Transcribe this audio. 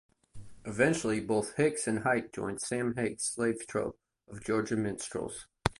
Eventually, both Hicks and Height joined Sam Hague's Slave Troupe of Georgia Minstrels.